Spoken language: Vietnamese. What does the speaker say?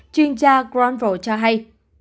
chuyên gia ron rowe cho hay